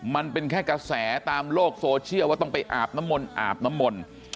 มันเป็นแค่กระแสตามโลกโซเชียลว่าต้องไปอาบน้ำมนต์อาบน้ำมนต์